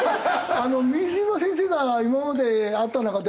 「水島先生が今まで会った中で誰が」